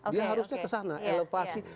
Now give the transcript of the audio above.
dia harusnya kesana elevasi